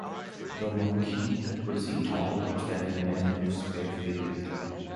The Marquis was a tall, upstanding man of spare figure.